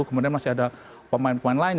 kemudian masih ada pemain pemain lain